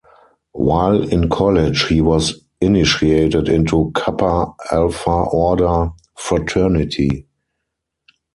While in college he was initiated into Kappa Alpha Order fraternity.